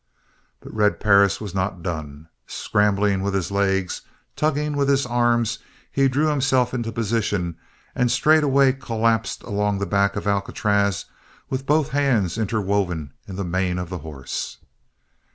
But Red Perris was not done. Scrambling with his legs, tugging with his arms, he drew himself into position and straightway collapsed along the back of Alcatraz with both hands interwoven in the mane of the horse.